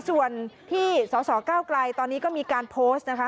ส่วนที่สสเก้าไกลตอนนี้ก็มีการโพสต์นะคะ